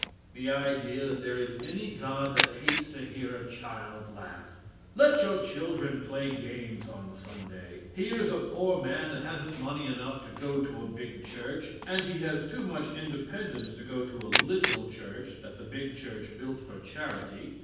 The idea that there is any God that hates to hear a child laugh! Let your children play games on Sunday. Here is a poor man that hasn't money enough to go to a big church and he has too much independence to go to a little church that the big church built for charity.